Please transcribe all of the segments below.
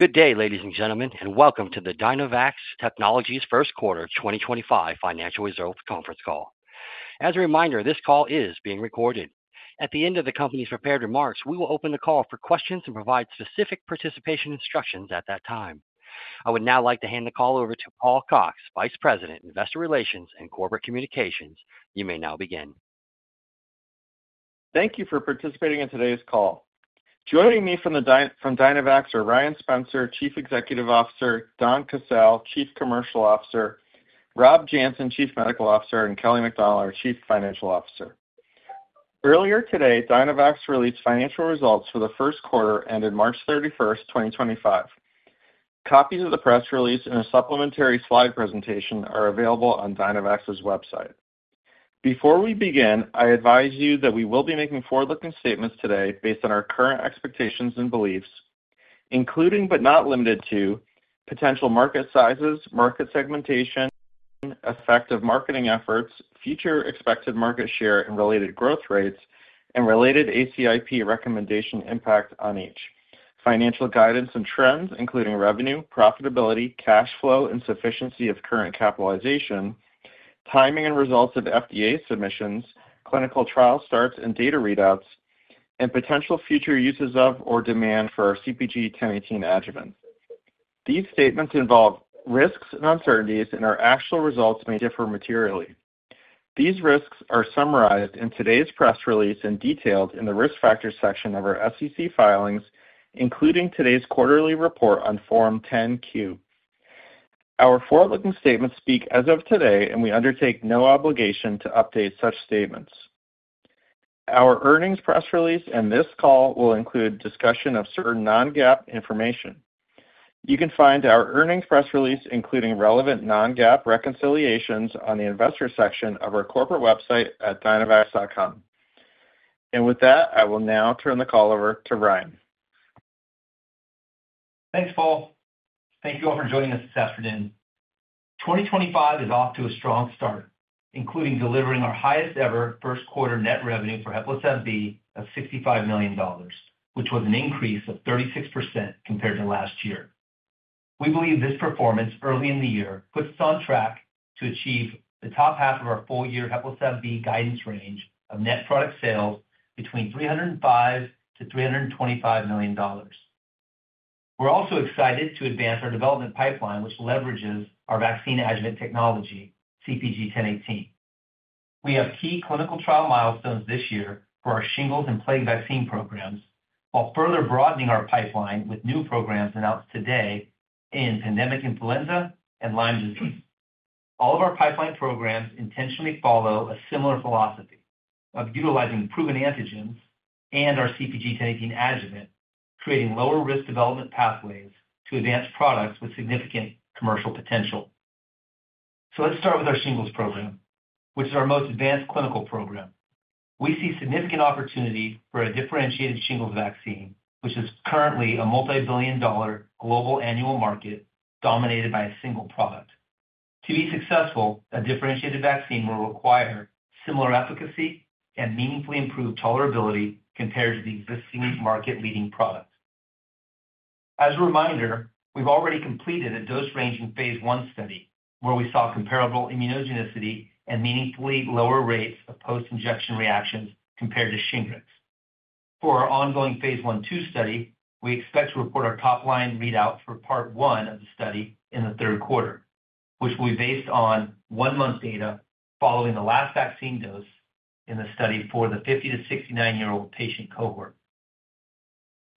Good day, ladies and gentlemen, and welcome to the Dynavax Technologies first quarter 2025 Financial Reserve conference call. As a reminder, this call is being recorded. At the end of the company's prepared remarks, we will open the call for questions and provide specific participation instructions at that time. I would now like to hand the call over to Paul Cox, Vice President, Investor Relations and Corporate Communications. You may now begin. Thank you for participating in today's call. Joining me from Dynavax are Ryan Spencer, Chief Executive Officer; Donn Casale, Chief Commercial Officer; Rob Janssen, Chief Medical Officer; and Kelly MacDonald, Chief Financial Officer. Earlier today, Dynavax released financial results for the first quarter ended March 31st, 2025. Copies of the press release and a supplementary slide presentation are available on Dynavax's website. Before we begin, I advise you that we will be making forward-looking statements today based on our current expectations and beliefs, including but not limited to potential market sizes, market segmentation, effective marketing efforts, future expected market share and related growth rates, and related ACIP recommendation impact on each; financial guidance and trends, including revenue, profitability, cash flow, and sufficiency of current capitalization; timing and results of FDA submissions; clinical trial starts and data readouts; and potential future uses of or demand for our CpG 1018 adjuvant. These statements involve risks and uncertainties, and our actual results may differ materially. These risks are summarized in today's press release and detailed in the risk factors section of our SEC filings, including today's quarterly report on Form 10Q. Our forward-looking statements speak as of today, and we undertake no obligation to update such statements. Our earnings press release and this call will include discussion of certain non-GAAP information. You can find our earnings press release, including relevant non-GAAP reconciliations, on the investor section of our corporate website at dynavax.com. With that, I will now turn the call over to Ryan. Thanks, Paul. Thank you all for joining us this afternoon. 2025 is off to a strong start, including delivering our highest-ever first-quarter net revenue for HEPLISAV-B of $65 million, which was an increase of 36% compared to last year. We believe this performance early in the year puts us on track to achieve the top half of our full-year HEPLISAV-B guidance range of net product sales between $305 million-$325 million. We're also excited to advance our development pipeline, which leverages our vaccine adjuvant technology, CpG 1018. We have key clinical trial milestones this year for our shingles and plague vaccine programs, while further broadening our pipeline with new programs announced today in pandemic influenza and Lyme disease. All of our pipeline programs intentionally follow a similar philosophy of utilizing proven antigens and our CpG 1018 adjuvant, creating lower-risk development pathways to advanced products with significant commercial potential. Let's start with our shingles program, which is our most advanced clinical program. We see significant opportunity for a differentiated shingles vaccine, which is currently a multi-billion dollar global annual market dominated by a single product. To be successful, a differentiated vaccine will require similar efficacy and meaningfully improved tolerability compared to the existing market-leading product. As a reminder, we've already completed a dose-ranging phase one study where we saw comparable immunogenicity and meaningfully lower rates of post-injection reactions compared to Shingrix. For our ongoing phase one two study, we expect to report our top-line readout for part one of the study in the third quarter, which will be based on one-month data following the last vaccine dose in the study for the 50-69-year-old patient cohort.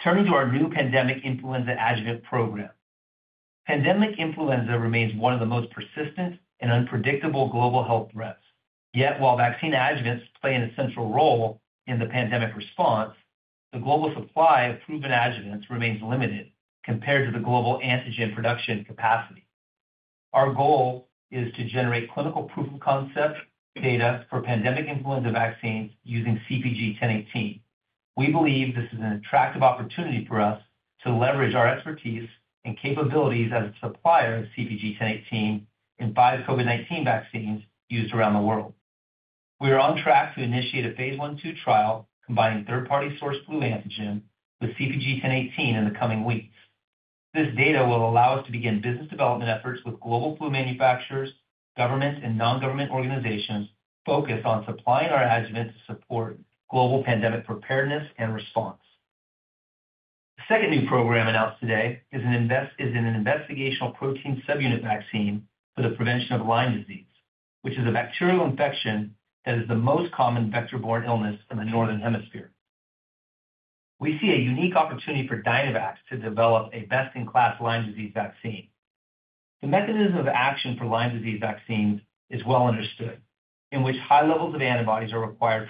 Turning to our new pandemic influenza adjuvant program, pandemic influenza remains one of the most persistent and unpredictable global health threats. Yet, while vaccine adjuvants play an essential role in the pandemic response, the global supply of proven adjuvants remains limited compared to the global antigen production capacity. Our goal is to generate clinical proof of concept data for pandemic influenza vaccines using CpG 1018. We believe this is an attractive opportunity for us to leverage our expertise and capabilities as a supplier of CpG 1018 in five COVID-19 vaccines used around the world. We are on track to initiate a phase one two trial combining third-party source flu antigen with CpG 1018 in the coming weeks. This data will allow us to begin business development efforts with global flu manufacturers, government, and non-government organizations focused on supplying our adjuvant to support global pandemic preparedness and response. The second new program announced today is an investigational protein subunit vaccine for the prevention of Lyme disease, which is a bacterial infection that is the most common vector-borne illness in the Northern Hemisphere. We see a unique opportunity for Dynavax to develop a best-in-class Lyme disease vaccine. The mechanism of action for Lyme disease vaccines is well understood, in which high levels of antibodies are required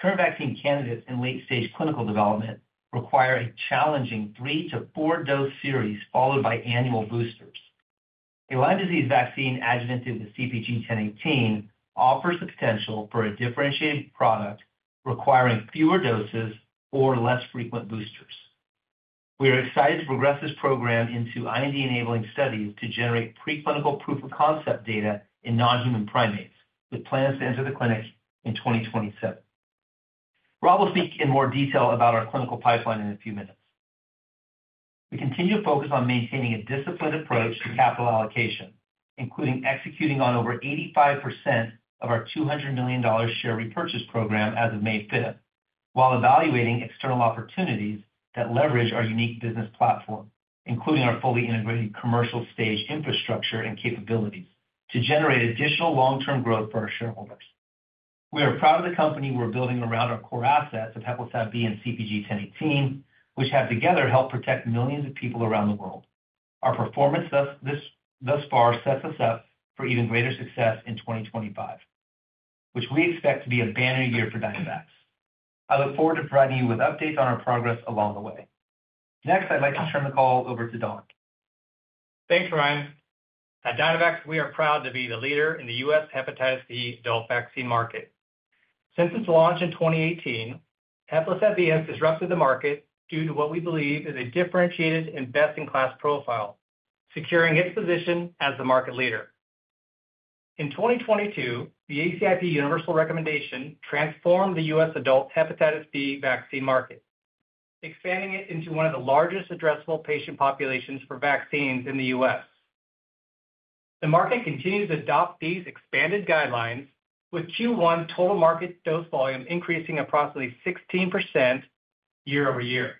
for protection. Current vaccine candidates in late-stage clinical development require a challenging three- to four-dose series followed by annual boosters. A Lyme disease vaccine adjuvanted with CpG 1018 offers the potential for a differentiated product requiring fewer doses or less frequent boosters. We are excited to progress this program into IND-enabling studies to generate preclinical proof of concept data in non-human primates, with plans to enter the clinic in 2027. Rob will speak in more detail about our clinical pipeline in a few minutes. We continue to focus on maintaining a disciplined approach to capital allocation, including executing on over 85% of our $200 million share repurchase program as of May 5th, while evaluating external opportunities that leverage our unique business platform, including our fully integrated commercial stage infrastructure and capabilities, to generate additional long-term growth for our shareholders. We are proud of the company we're building around our core assets of HEPLISAV-B and CpG 1018, which have together helped protect millions of people around the world. Our performance thus far sets us up for even greater success in 2025, which we expect to be a banner year for Dynavax. I look forward to providing you with updates on our progress along the way. Next, I'd like to turn the call over to Donn. Thanks, Ryan. At Dynavax, we are proud to be the leader in the U.S. hepatitis B adult vaccine market. Since its launch in 2018, HEPLISAV-B has disrupted the market due to what we believe is a differentiated and best-in-class profile, securing its position as the market leader. In 2022, the ACIP Universal Recommendation transformed the U.S. adult hepatitis B vaccine market, expanding it into one of the largest addressable patient populations for vaccines in the U.S. The market continues to adopt these expanded guidelines, with Q1 total market dose volume increasing approximately 16% year over year.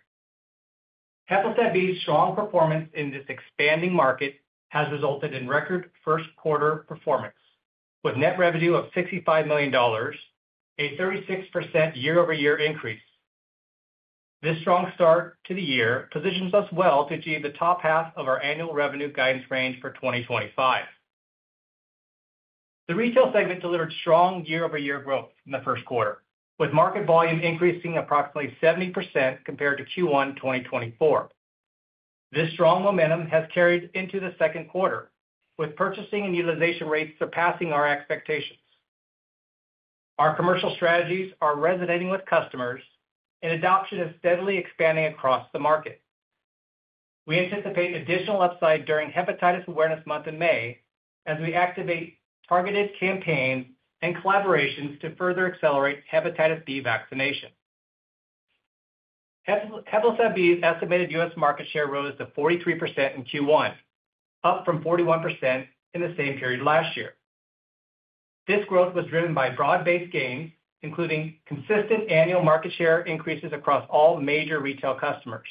HEPLISAV-B's strong performance in this expanding market has resulted in record first-quarter performance, with net revenue of $65 million, a 36% year-over-year increase. This strong start to the year positions us well to achieve the top half of our annual revenue guidance range for 2025. The retail segment delivered strong year-over-year growth in the first quarter, with market volume increasing approximately 70% compared to Q1 2024. This strong momentum has carried into the second quarter, with purchasing and utilization rates surpassing our expectations. Our commercial strategies are resonating with customers, and adoption is steadily expanding across the market. We anticipate additional upside during Hepatitis Awareness Month in May, as we activate targeted campaigns and collaborations to further accelerate hepatitis B vaccination. HEPLISAV-B's estimated U.S. market share rose to 43% in Q1, up from 41% in the same period last year. This growth was driven by broad-based gains, including consistent annual market share increases across all major retail customers.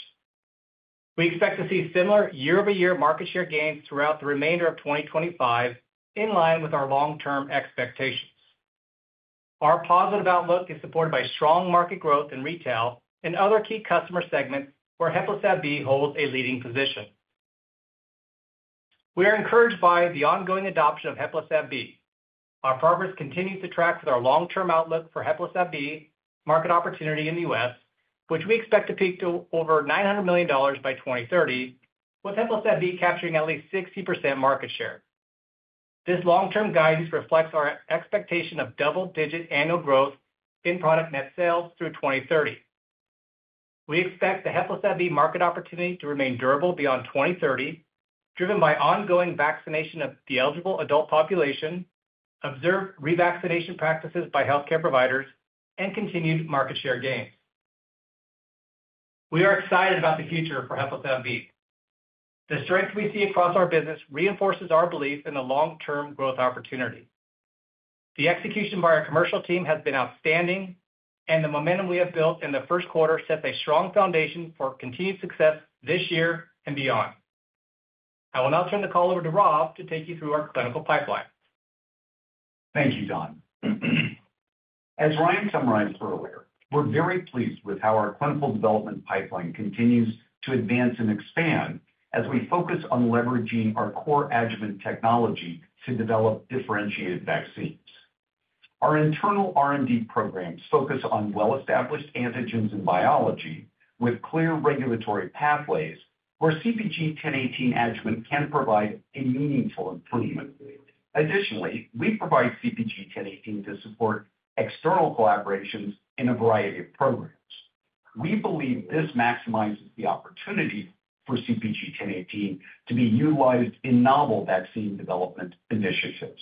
We expect to see similar year-over-year market share gains throughout the remainder of 2025, in line with our long-term expectations. Our positive outlook is supported by strong market growth in retail and other key customer segments where HEPLISAV-B holds a leading position. We are encouraged by the ongoing adoption of HEPLISAV-B. Our progress continues to track with our long-term outlook for HEPLISAV-B market opportunity in the U.S., which we expect to peak to over $900 million by 2030, with HEPLISAV-B capturing at least 60% market share. This long-term guidance reflects our expectation of double-digit annual growth in product net sales through 2030. We expect the HEPLISAV-B market opportunity to remain durable beyond 2030, driven by ongoing vaccination of the eligible adult population, observed revaccination practices by healthcare providers, and continued market share gains. We are excited about the future for HEPLISAV-B. The strength we see across our business reinforces our belief in the long-term growth opportunity. The execution by our commercial team has been outstanding, and the momentum we have built in the first quarter sets a strong foundation for continued success this year and beyond. I will now turn the call over to Rob to take you through our clinical pipeline. Thank you, Donn. As Ryan summarized earlier, we're very pleased with how our clinical development pipeline continues to advance and expand as we focus on leveraging our core adjuvant technology to develop differentiated vaccines. Our internal R&D programs focus on well-established antigens and biology, with clear regulatory pathways where CpG 1018 adjuvant can provide a meaningful improvement. Additionally, we provide CpG 1018 to support external collaborations in a variety of programs. We believe this maximizes the opportunity for CpG 1018 to be utilized in novel vaccine development initiatives.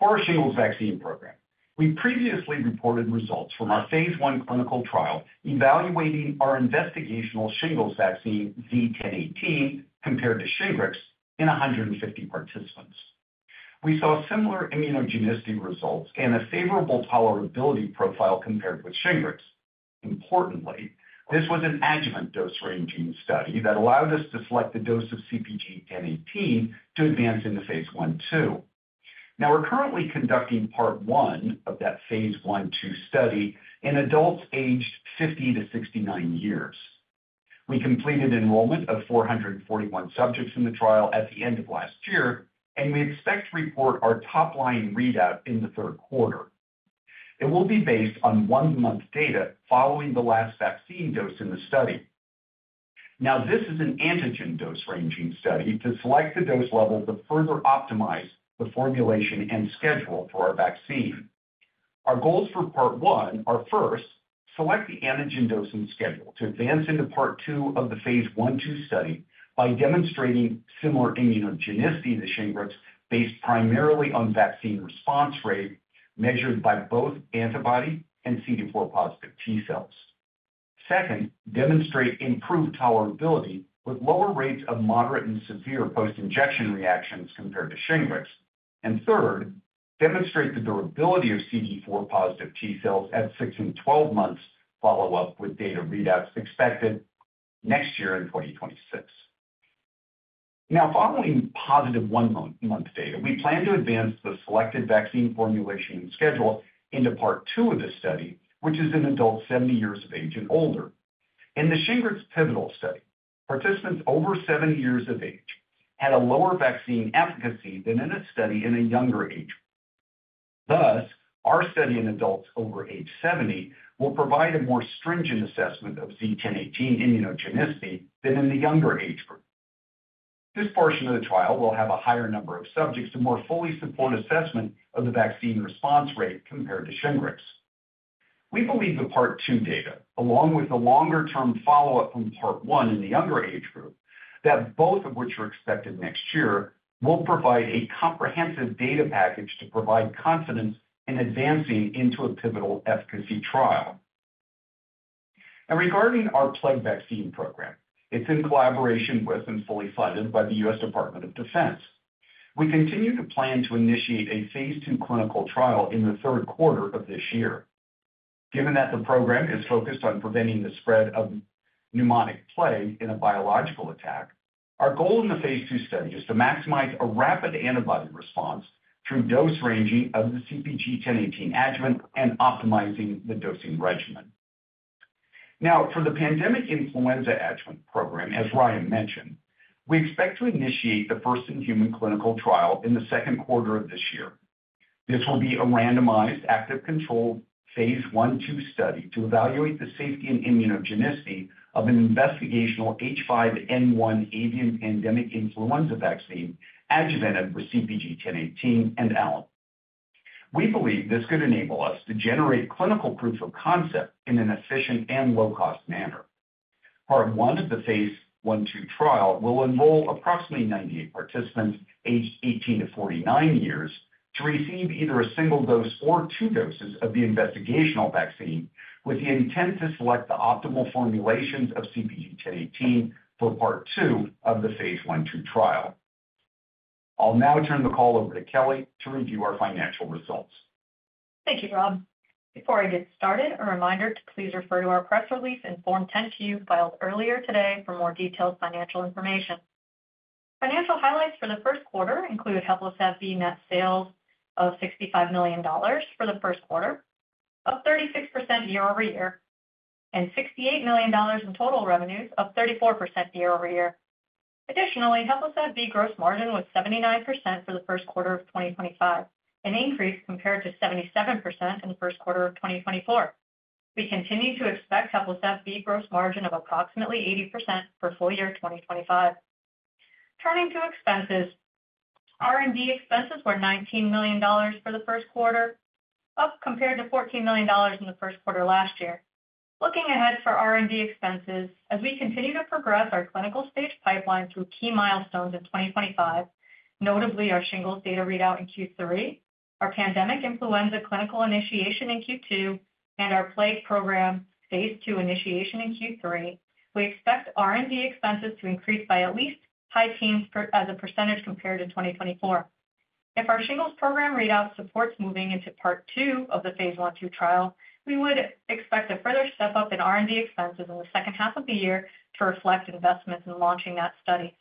For our shingles vaccine program, we previously reported results from our phase I clinical trial evaluating our investigational shingles vaccine Z-1018 compared to Shingrix in 150 participants. We saw similar immunogenicity results and a favorable tolerability profile compared with Shingrix. Importantly, this was an adjuvant dose-ranging study that allowed us to select the dose of CpG 1018 to advance into phase I/II. Now, we're currently conducting part one of that phase I/II study in adults aged 50 to 69 years. We completed enrollment of 441 subjects in the trial at the end of last year, and we expect to report our top-line readout in the third quarter. It will be based on one-month data following the last vaccine dose in the study. Now, this is an antigen dose-ranging study to select the dose level to further optimize the formulation and schedule for our vaccine. Our goals for part one are first, select the antigen dose and schedule to advance into part two of the phase one two study by demonstrating similar immunogenicity to Shingrix based primarily on vaccine response rate measured by both antibody and CD4+ T cells. Second, demonstrate improved tolerability with lower rates of moderate and severe post-injection reactions compared to Shingrix. Third, demonstrate the durability of CD4+ T cells at six and twelve months follow-up with data readouts expected next year in 2026. Now, following positive one-month data, we plan to advance the selected vaccine formulation and schedule into part two of the study, which is in adults 70 years of age and older. In the Shingrix pivotal study, participants over 70 years of age had a lower vaccine efficacy than in a study in a younger age group. Thus, our study in adults over age 70 will provide a more stringent assessment of Z-1018 immunogenicity than in the younger age group. This portion of the trial will have a higher number of subjects and more fully supported assessment of the vaccine response rate compared to Shingrix. We believe the part two data, along with the longer-term follow-up from part one in the younger age group, both of which are expected next year, will provide a comprehensive data package to provide confidence in advancing into a pivotal efficacy trial. Regarding our plague vaccine program, it's in collaboration with and fully funded by the U.S. Department of Defense. We continue to plan to initiate a phase II clinical trial in the third quarter of this year. Given that the program is focused on preventing the spread of pneumonic plague in a biological attack, our goal in the phase two study is to maximize a rapid antibody response through dose-ranging of the CpG 1018 adjuvant and optimizing the dosing regimen. Now, for the pandemic influenza adjuvant program, as Ryan mentioned, we expect to initiate the first in-human clinical trial in the second quarter of this year. This will be a randomized active control phase one two study to evaluate the safety and immunogenicity of an investigational H5N1 avian pandemic influenza vaccine adjuvanted with CpG 1018 and alum. We believe this could enable us to generate clinical proof of concept in an efficient and low-cost manner. Part one of the phase one two trial will enroll approximately 98 participants aged 18 to 49 years to receive either a single dose or two doses of the investigational vaccine with the intent to select the optimal formulations of CpG 1018 for part two of the phase one two trial. I'll now turn the call over to Kelly to review our financial results. Thank you, Rob. Before I get started, a reminder to please refer to our press release and Form 10Q filed earlier today for more detailed financial information. Financial highlights for the first quarter include HEPLISAV-B net sales of $65 million for the first quarter, up 36% year-over-year, and $68 million in total revenues, up 34% year-over-year. Additionally, HEPLISAV-B gross margin was 79% for the first quarter of 2025, an increase compared to 77% in the first quarter of 2024. We continue to expect HEPLISAV-B gross margin of approximately 80% for full year 2025. Turning to expenses, R&D expenses were $19 million for the first quarter, up compared to $14 million in the first quarter last year. Looking ahead for R&D expenses, as we continue to progress our clinical stage pipeline through key milestones in 2025, notably our shingles data readout in Q3, our pandemic influenza clinical initiation in Q2, and our plague program phase two initiation in Q3, we expect R&D expenses to increase by at least 15% as a percentage compared to 2024. If our shingles program readout supports moving into part two of the phase one two trial, we would expect a further step up in R&D expenses in the second half of the year to reflect investments in launching that study.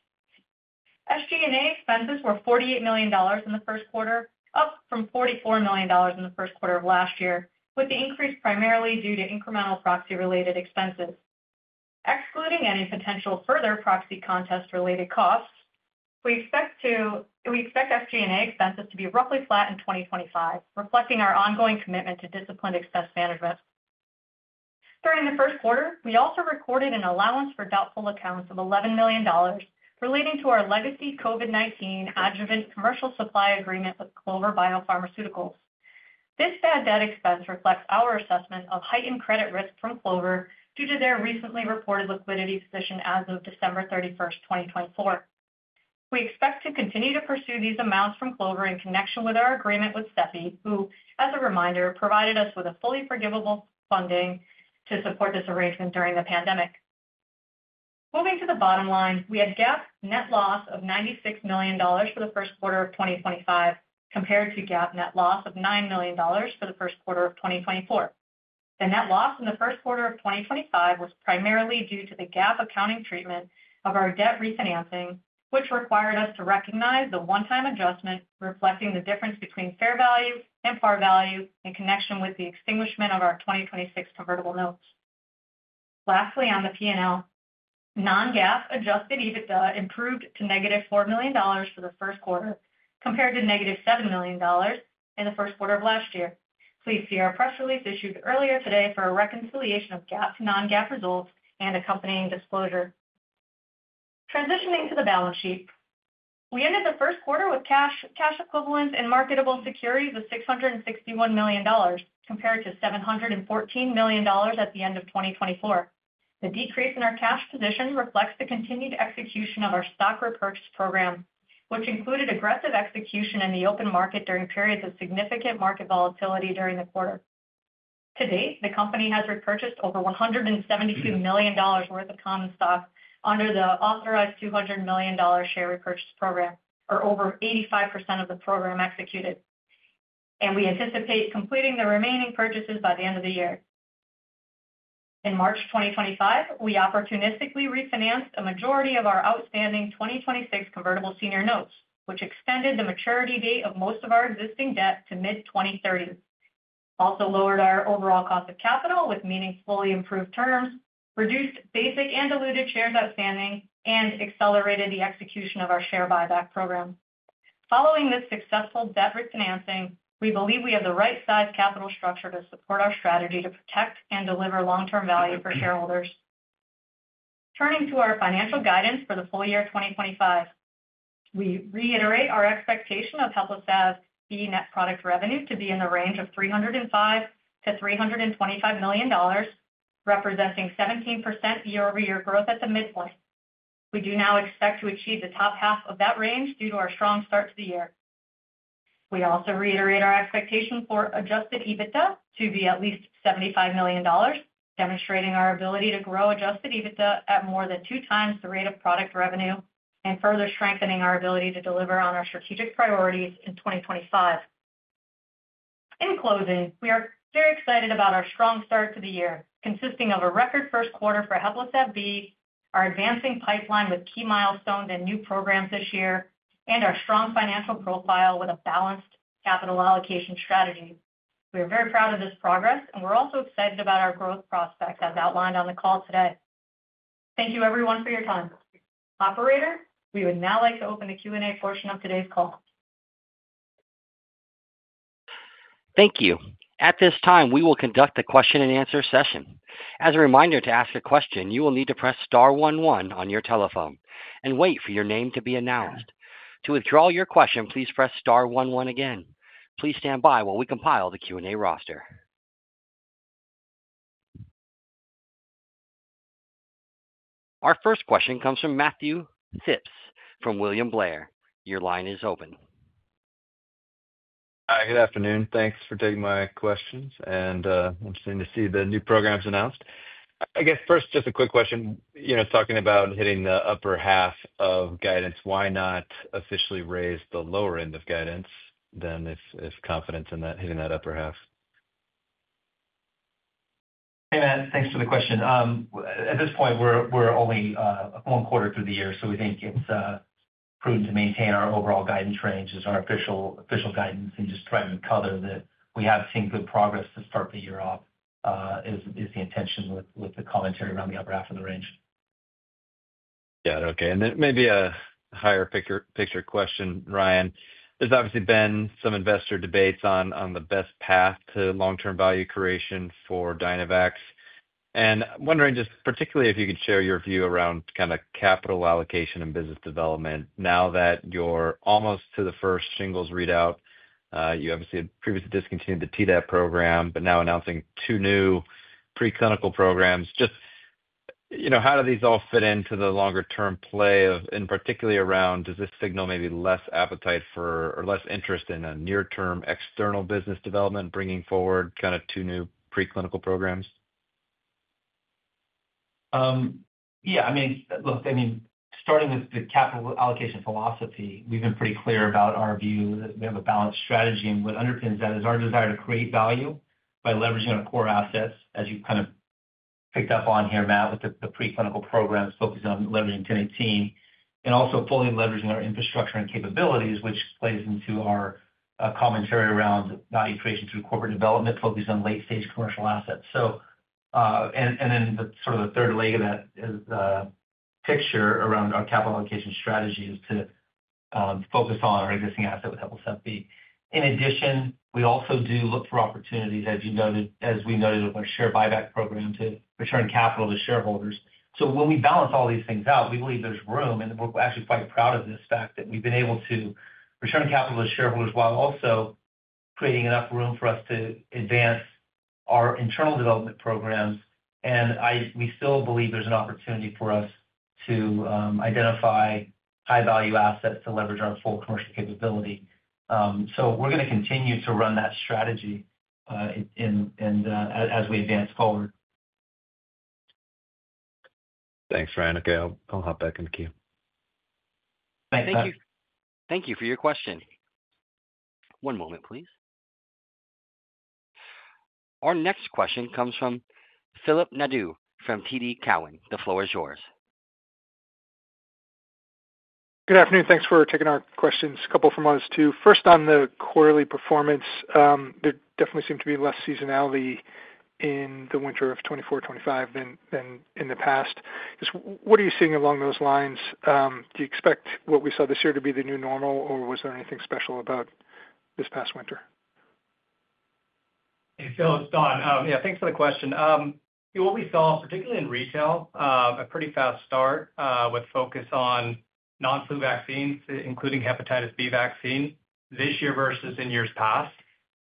SG&A expenses were $48 million in the first quarter, up from $44 million in the first quarter of last year, with the increase primarily due to incremental proxy-related expenses. Excluding any potential further proxy contest-related costs, we expect SG&A expenses to be roughly flat in 2025, reflecting our ongoing commitment to disciplined expense management. During the first quarter, we also recorded an allowance for doubtful accounts of $11 million relating to our legacy COVID-19 adjuvant commercial supply agreement with Clover Biopharmaceuticals. This bad debt expense reflects our assessment of heightened credit risk from Clover due to their recently reported liquidity position as of December 31st, 2024. We expect to continue to pursue these amounts from Clover in connection with our agreement with CEPI, who, as a reminder, provided us with fully forgivable funding to support this arrangement during the pandemic. Moving to the bottom line, we had GAAP net loss of $96 million for the first quarter of 2025 compared to GAAP net loss of $9 million for the first quarter of 2024. The net loss in the first quarter of 2025 was primarily due to the GAAP accounting treatment of our debt refinancing, which required us to recognize the one-time adjustment reflecting the difference between fair value and par value in connection with the extinguishment of our 2026 convertible notes. Lastly, on the P&L, non-GAAP adjusted EBITDA improved to negative $4 million for the first quarter compared to negative $7 million in the first quarter of last year. Please see our press release issued earlier today for a reconciliation of GAAP to non-GAAP results and accompanying disclosure. Transitioning to the balance sheet, we ended the first quarter with cash equivalents and marketable securities of $661 million compared to $714 million at the end of 2024. The decrease in our cash position reflects the continued execution of our stock repurchase program, which included aggressive execution in the open market during periods of significant market volatility during the quarter. To date, the company has repurchased over $172 million worth of common stock under the authorized $200 million share repurchase program, or over 85% of the program executed, and we anticipate completing the remaining purchases by the end of the year. In March 2025, we opportunistically refinanced a majority of our outstanding 2026 convertible senior notes, which extended the maturity date of most of our existing debt to mid-2030. Also lowered our overall cost of capital with meaningfully improved terms, reduced basic and diluted shares outstanding, and accelerated the execution of our share buyback program. Following this successful debt refinancing, we believe we have the right-sized capital structure to support our strategy to protect and deliver long-term value for shareholders. Turning to our financial guidance for the full year 2025, we reiterate our expectation of HEPLISAV-B net product revenue to be in the range of $305-$325 million, representing 17% year-over-year growth at the midpoint. We do now expect to achieve the top half of that range due to our strong start to the year. We also reiterate our expectation for adjusted EBITDA to be at least $75 million, demonstrating our ability to grow adjusted EBITDA at more than two times the rate of product revenue and further strengthening our ability to deliver on our strategic priorities in 2025. In closing, we are very excited about our strong start to the year, consisting of a record first quarter for HEPLISAV-B, our advancing pipeline with key milestones and new programs this year, and our strong financial profile with a balanced capital allocation strategy. We are very proud of this progress, and we're also excited about our growth prospects as outlined on the call today. Thank you, everyone, for your time. Operator, we would now like to open the Q&A portion of today's call. Thank you. At this time, we will conduct the question-and-answer session. As a reminder, to ask a question, you will need to press star one one on your telephone and wait for your name to be announced. To withdraw your question, please press star 11 again. Please stand by while we compile the Q&A roster. Our first question comes from Matthew Phipps from William Blair. Your line is open. Hi, good afternoon. Thanks for taking my questions, and I'm interested to see the new programs announced. I guess first, just a quick question. You know, talking about hitting the upper half of guidance, why not officially raise the lower end of guidance then if confident in that hitting that upper half? Hey, Matt. Thanks for the question. At this point, we're only one quarter through the year, so we think it's prudent to maintain our overall guidance range as our official guidance and just try and color that we have seen good progress to start the year off is the intention with the commentary around the upper half of the range. Yeah, okay. Maybe a higher-picture question, Ryan. There's obviously been some investor debates on the best path to long-term value creation for Dynavax. I'm wondering just particularly if you could share your view around kind of capital allocation and business development now that you're almost to the first shingles readout. You obviously previously discontinued the TDAP program, but now announcing two new preclinical programs. Just, you know, how do these all fit into the longer-term play of, and particularly around, does this signal maybe less appetite for or less interest in a near-term external business development bringing forward kind of two new preclinical programs? Yeah, I mean, look, I mean, starting with the capital allocation philosophy, we've been pretty clear about our view that we have a balanced strategy, and what underpins that is our desire to create value by leveraging our core assets, as you've kind of picked up on here, Matt, with the preclinical programs focused on leveraging 1018 and also fully leveraging our infrastructure and capabilities, which plays into our commentary around value creation through corporate development focused on late-stage commercial assets. The sort of the third leg of that picture around our capital allocation strategy is to focus on our existing asset with HEPLISAV-B. In addition, we also do look for opportunities, as you noted, as we noted with our share buyback program to return capital to shareholders. When we balance all these things out, we believe there's room, and we're actually quite proud of this fact that we've been able to return capital to shareholders while also creating enough room for us to advance our internal development programs. We still believe there's an opportunity for us to identify high-value assets to leverage our full commercial capability. We're going to continue to run that strategy as we advance forward. Thanks, Ryan. Okay, I'll hop back into Q. Thank you. Thank you for your question. One moment, please. Our next question comes from Philip Nadeau from TD Cowen. The floor is yours. Good afternoon. Thanks for taking our questions. A couple from us too. First, on the quarterly performance, there definitely seemed to be less seasonality in the winter of 2024-2025 than in the past. What are you seeing along those lines? Do you expect what we saw this year to be the new normal, or was there anything special about this past winter? Hey, Philip, it's Donn. Yeah, thanks for the question. You know, what we saw, particularly in retail, a pretty fast start with focus on non-flu vaccines, including hepatitis B vaccine this year versus in years past.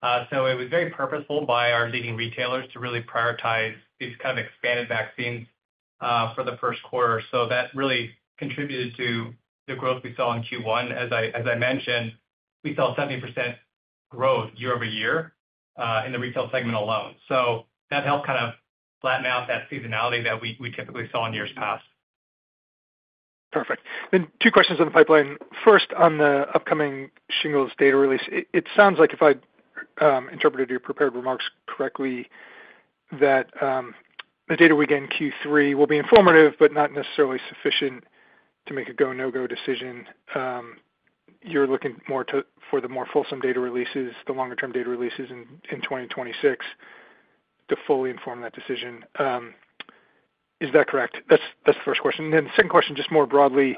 It was very purposeful by our leading retailers to really prioritize these kind of expanded vaccines for the first quarter. That really contributed to the growth we saw in Q1. As I mentioned, we saw 70% growth year-over-year in the retail segment alone. That helped kind of flatten out that seasonality that we typically saw in years past. Perfect. Two questions on the pipeline. First, on the upcoming shingles data release, it sounds like if I interpreted your prepared remarks correctly, the data we get in Q3 will be informative but not necessarily sufficient to make a go/no-go decision. You're looking more for the more fulsome data releases, the longer-term data releases in 2026 to fully inform that decision. Is that correct? That's the first question. The second question, just more broadly,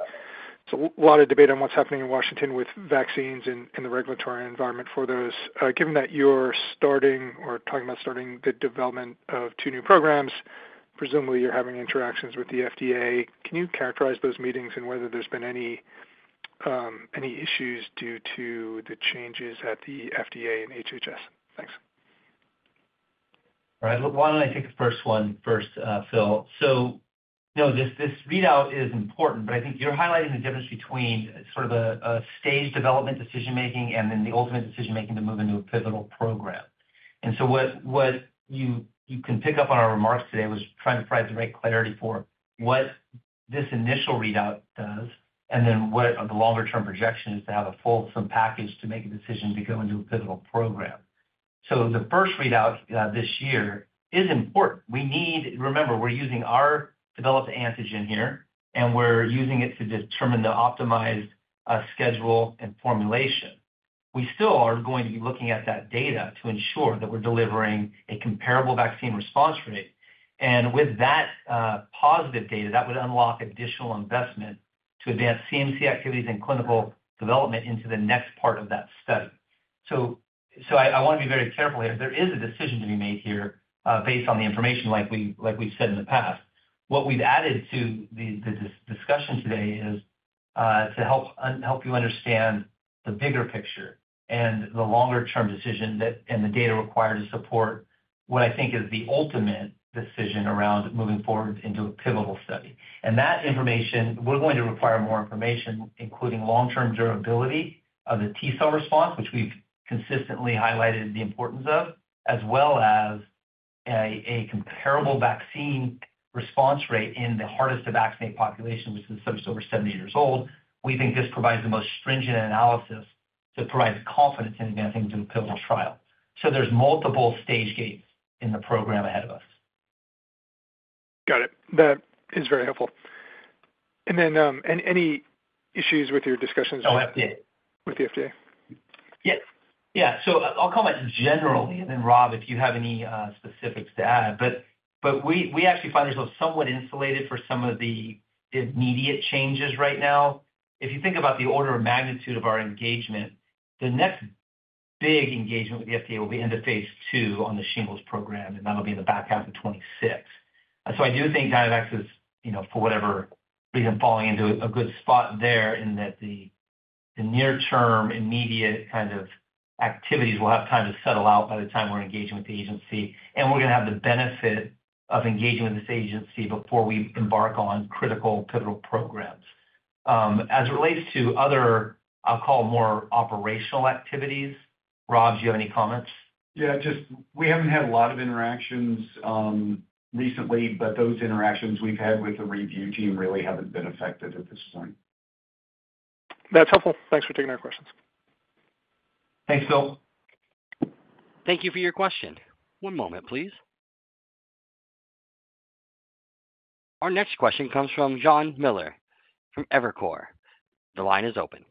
there's a lot of debate on what's happening in Washington with vaccines and the regulatory environment for those. Given that you're starting or talking about starting the development of two new programs, presumably you're having interactions with the FDA. Can you characterize those meetings and whether there's been any issues due to the changes at the FDA and HHS? Thanks. All right. Look, why don't I take the first one first, Phil? You know, this readout is important, but I think you're highlighting the difference between sort of a stage development decision-making and then the ultimate decision-making to move into a pivotal program. What you can pick up on our remarks today was trying to provide the right clarity for what this initial readout does and then what the longer-term projection is to have a fulsome package to make a decision to go into a pivotal program. The first readout this year is important. We need to remember we're using our developed antigen here, and we're using it to determine the optimized schedule and formulation. We still are going to be looking at that data to ensure that we're delivering a comparable vaccine response rate. With that positive data, that would unlock additional investment to advance CMC activities and clinical development into the next part of that study. I want to be very careful here. There is a decision to be made here based on the information like we've said in the past. What we've added to the discussion today is to help you understand the bigger picture and the longer-term decision and the data required to support what I think is the ultimate decision around moving forward into a pivotal study. That information, we're going to require more information, including long-term durability of the T-cell response, which we've consistently highlighted the importance of, as well as a comparable vaccine response rate in the hardest-to-vaccinate population, which is the subject over 70 years old. We think this provides the most stringent analysis to provide confidence in advancing to a pivotal trial. There are multiple stage gates in the program ahead of us. Got it. That is very helpful. Any issues with your discussions? Oh, FDA. With the FDA? Yes. Yeah. So I'll comment generally, and then Rob, if you have any specifics to add. But we actually find ourselves somewhat insulated for some of the immediate changes right now. If you think about the order of magnitude of our engagement, the next big engagement with the FDA will be into phase two on the shingles program, and that'll be in the back half of 2026. I do think Dynavax is, you know, for whatever reason, falling into a good spot there in that the near-term immediate kind of activities will have time to settle out by the time we're engaging with the agency, and we're going to have the benefit of engaging with this agency before we embark on critical pivotal programs. As it relates to other, I'll call it more operational activities, Rob, do you have any comments? Yeah, just we haven't had a lot of interactions recently, but those interactions we've had with the review team really haven't been affected at this point. That's helpful. Thanks for taking our questions. Thanks, Phil. Thank you for your question. One moment, please. Our next question comes from Jon Miller from Evercore. The line is open.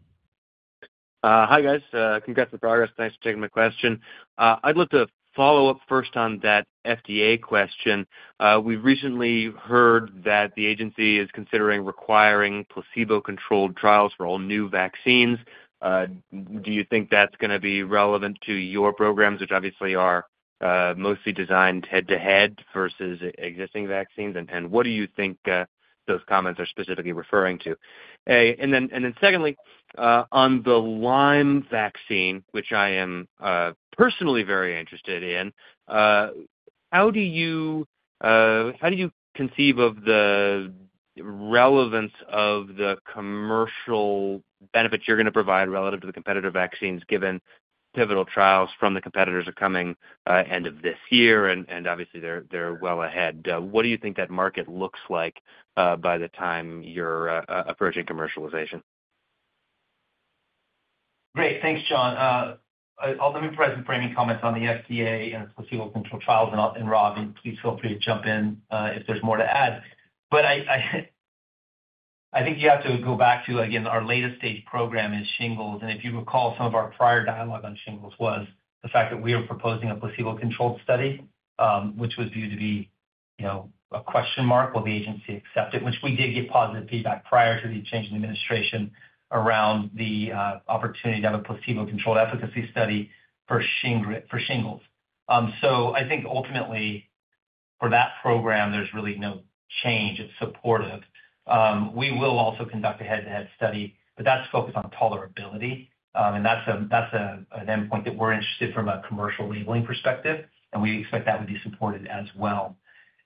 Hi, guys. Congrats on the progress. Thanks for taking my question. I'd love to follow up first on that FDA question. We've recently heard that the agency is considering requiring placebo-controlled trials for all new vaccines. Do you think that's going to be relevant to your programs, which obviously are mostly designed head-to-head versus existing vaccines? What do you think those comments are specifically referring to? Secondly, on the Lyme vaccine, which I am personally very interested in, how do you conceive of the relevance of the commercial benefits you're going to provide relative to the competitor vaccines given pivotal trials from the competitors are coming end of this year? Obviously, they're well ahead. What do you think that market looks like by the time you're approaching commercialization? Great. Thanks, Jon. Let me provide some framing comments on the FDA and the placebo-controlled trials. Rob, please feel free to jump in if there's more to add. I think you have to go back to, again, our latest stage program is shingles. If you recall, some of our prior dialogue on shingles was the fact that we are proposing a placebo-controlled study, which was viewed to be, you know, a question mark: will the agency accept it? We did get positive feedback prior to the change in administration around the opportunity to have a placebo-controlled efficacy study for shingles. I think ultimately for that program, there's really no change in support of. We will also conduct a head-to-head study, but that's focused on tolerability. That's an endpoint that we're interested from a commercial labeling perspective, and we expect that would be supported as well.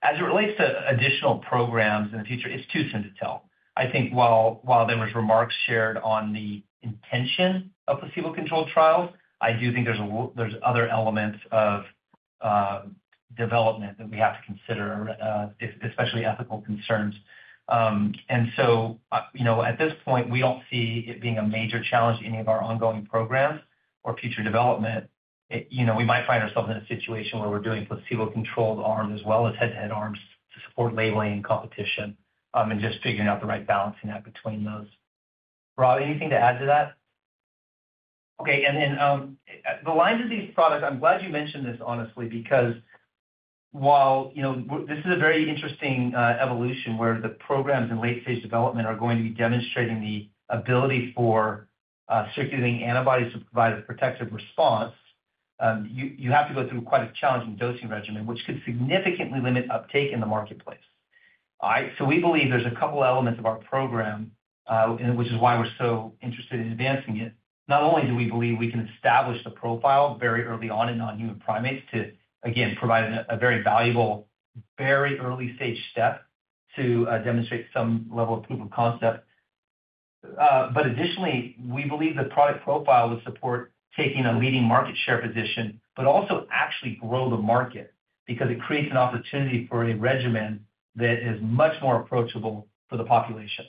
As it relates to additional programs in the future, it's too soon to tell. I think while there were remarks shared on the intention of placebo-controlled trials, I do think there's other elements of development that we have to consider, especially ethical concerns. You know, at this point, we don't see it being a major challenge to any of our ongoing programs or future development. You know, we might find ourselves in a situation where we're doing placebo-controlled arms as well as head-to-head arms to support labeling and competition and just figuring out the right balancing act between those. Rob, anything to add to that? Okay. The Lyme disease products, I'm glad you mentioned this honestly because while, you know, this is a very interesting evolution where the programs in late-stage development are going to be demonstrating the ability for circulating antibodies to provide a protective response, you have to go through quite a challenging dosing regimen, which could significantly limit uptake in the marketplace. All right? We believe there's a couple of elements of our program, which is why we're so interested in advancing it. Not only do we believe we can establish the profile very early on in non-human primates to, again, provide a very valuable, very early-stage step to demonstrate some level of proof of concept, but additionally, we believe the product profile would support taking a leading market share position, but also actually grow the market because it creates an opportunity for a regimen that is much more approachable for the population.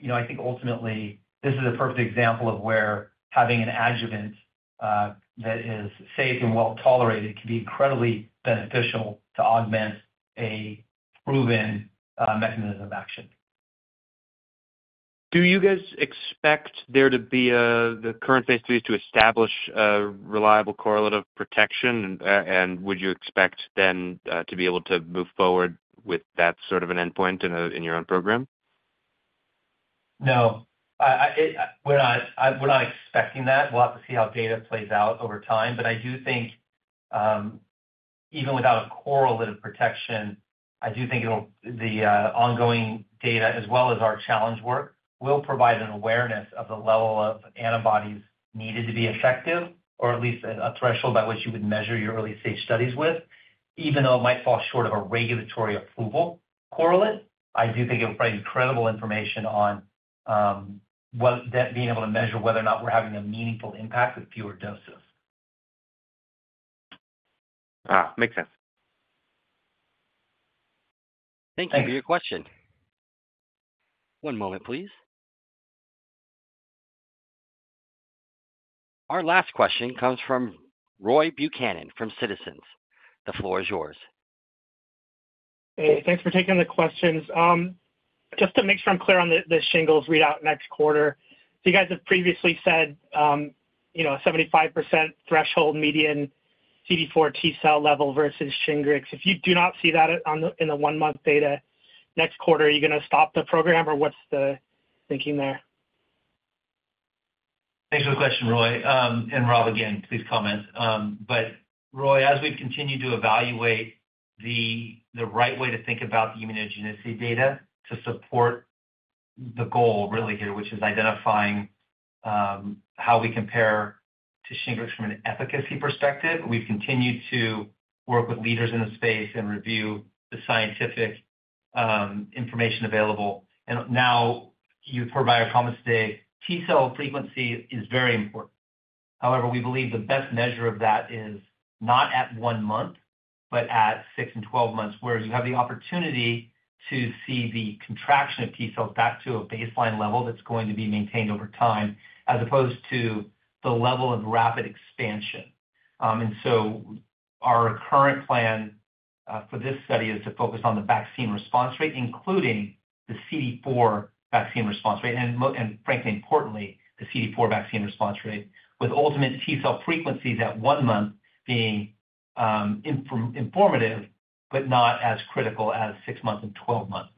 You know, I think ultimately this is a perfect example of where having an adjuvant that is safe and well tolerated can be incredibly beneficial to augment a proven mechanism of action. Do you guys expect there to be the current phase three to establish reliable correlative protection? Would you expect then to be able to move forward with that sort of an endpoint in your own program? No. We're not expecting that. We'll have to see how data plays out over time. I do think even without a correlative protection, I do think the ongoing data, as well as our challenge work, will provide an awareness of the level of antibodies needed to be effective, or at least a threshold by which you would measure your early-stage studies with. Even though it might fall short of a regulatory approval correlate, I do think it would provide incredible information on being able to measure whether or not we're having a meaningful impact with fewer doses. makes sense. Thank you for your question. One moment, please. Our last question comes from Roy Buchanan from Citizens. The floor is yours. Hey, thanks for taking the questions. Just to make sure I'm clear on the shingles readout next quarter, you guys have previously said, you know, a 75% threshold median CD4+ T cell level versus Shingrix. If you do not see that in the one-month data next quarter, are you going to stop the program or what's the thinking there? Thanks for the question, Roy. And Rob, again, please comment. Roy, as we continue to evaluate the right way to think about the immunogenicity data to support the goal really here, which is identifying how we compare to Shingrix from an efficacy perspective, we've continued to work with leaders in the space and review the scientific information available. Now you've heard my comments today. T cell frequency is very important. However, we believe the best measure of that is not at one month, but at six and 12 months where you have the opportunity to see the contraction of T cells back to a baseline level that's going to be maintained over time as opposed to the level of rapid expansion. Our current plan for this study is to focus on the vaccine response rate, including the CD4 vaccine response rate. Frankly, importantly, the CD4 vaccine response rate, with ultimate T-cell frequencies at one month being informative, but not as critical as six months and 12 months.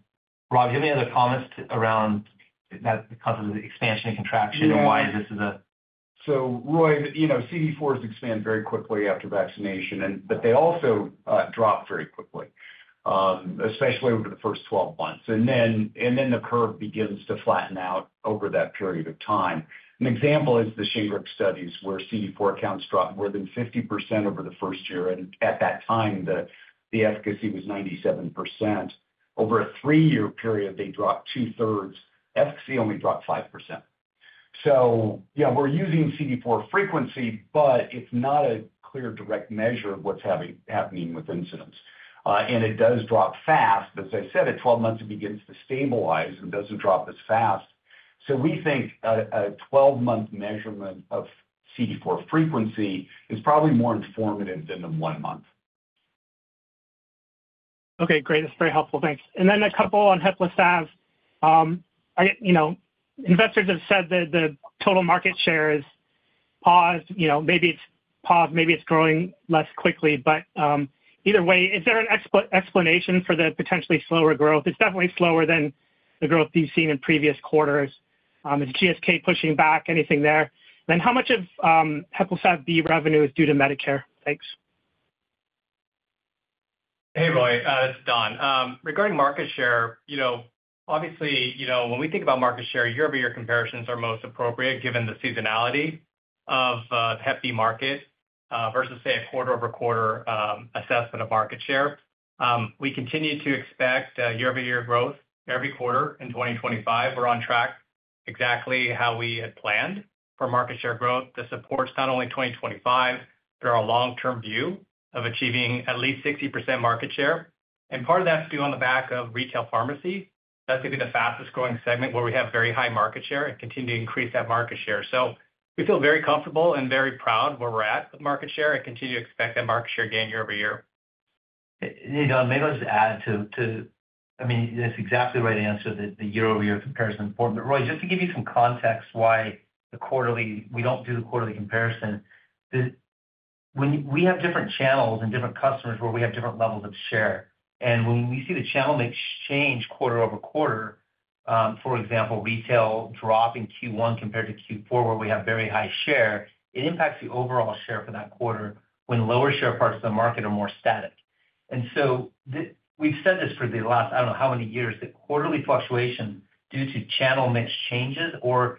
Rob, do you have any other comments around the concept of expansion and contraction and why this is a? Roy, you know, CD4s expand very quickly after vaccination, but they also drop very quickly, especially over the first 12 months. The curve begins to flatten out over that period of time. An example is the Shingrix studies where CD4 counts dropped more than 50% over the first year. At that time, the efficacy was 97%. Over a three-year period, they dropped two-thirds. Efficacy only dropped 5%. Yeah, we're using CD4 frequency, but it's not a clear direct measure of what's happening with incidence. It does drop fast. As I said, at 12 months, it begins to stabilize and does not drop as fast. We think a 12-month measurement of CD4 frequency is probably more informative than the one month. Okay, great. That's very helpful. Thanks. And then a couple on HEPLISAV-B. You know, investors have said that the total market share is paused. You know, maybe it's paused, maybe it's growing less quickly. But either way, is there an explanation for the potentially slower growth? It's definitely slower than the growth we've seen in previous quarters. Is GSK pushing back anything there? Then how much of HEPLISAV-B revenue is due to Medicare? Thanks. Hey, Roy. This is Don. Regarding market share, you know, obviously, you know, when we think about market share, year-over-year comparisons are most appropriate given the seasonality of the hep B market versus, say, a quarter-over-quarter assessment of market share. We continue to expect year-over-year growth every quarter in 2025. We're on track exactly how we had planned for market share growth. This supports not only 2025, but our long-term view of achieving at least 60% market share. Part of that's due on the back of retail pharmacy. That's going to be the fastest-growing segment where we have very high market share and continue to increase that market share. We feel very comfortable and very proud where we're at with market share and continue to expect that market share gain year-over-year. You know, maybe I'll just add to, I mean, that's exactly the right answer. The year-over-year comparison is important. But Roy, just to give you some context why the quarterly, we don't do the quarterly comparison. We have different channels and different customers where we have different levels of share. And when we see the channel mix change quarter-over-quarter, for example, retail drop in Q1 compared to Q4 where we have very high share, it impacts the overall share for that quarter when lower share parts of the market are more static. And so we've said this for the last, I don't know how many years, that quarterly fluctuation due to channel mix changes or,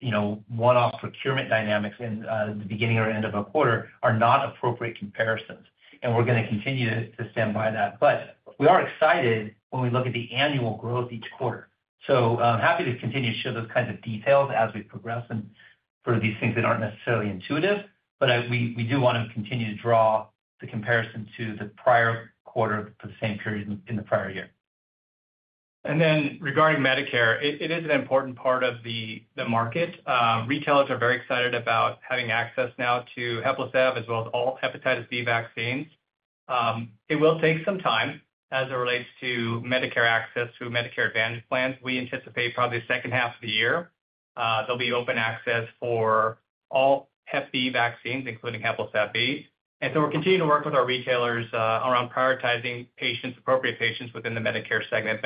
you know, one-off procurement dynamics in the beginning or end of a quarter are not appropriate comparisons. And we're going to continue to stand by that. We are excited when we look at the annual growth each quarter. So happy to continue to show those kinds of details as we progress and for these things that aren't necessarily intuitive. We do want to continue to draw the comparison to the prior quarter for the same period in the prior year. Regarding Medicare, it is an important part of the market. Retailers are very excited about having access now to HEPLISAV-B as well as all hepatitis B vaccines. It will take some time as it relates to Medicare access to Medicare Advantage plans. We anticipate probably the second half of the year. There will be open access for all hep B vaccines, including HEPLISAV-B. We are continuing to work with our retailers around prioritizing patients, appropriate patients within the Medicare segment.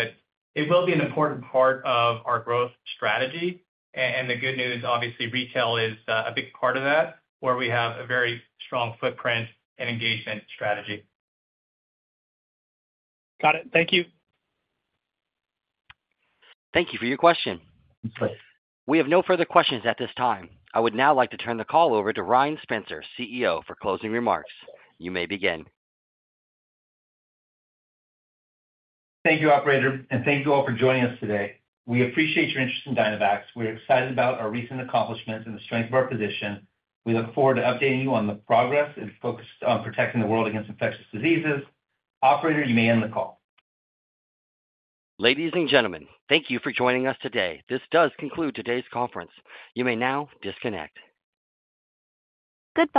It will be an important part of our growth strategy. The good news, obviously, retail is a big part of that where we have a very strong footprint and engagement strategy. Got it. Thank you. Thank you for your question. We have no further questions at this time. I would now like to turn the call over to Ryan Spencer, CEO, for closing remarks. You may begin. Thank you, Operator. Thank you all for joining us today. We appreciate your interest in Dynavax. We are excited about our recent accomplishments and the strength of our position. We look forward to updating you on the progress and focus on protecting the world against infectious diseases. Operator, you may end the call. Ladies and gentlemen, thank you for joining us today. This does conclude today's conference. You may now disconnect. Good.